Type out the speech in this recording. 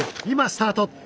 今、スタート。